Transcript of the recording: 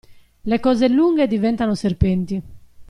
Le cose lunghe diventano serpenti.